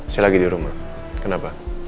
saya lagi di rumah kenapa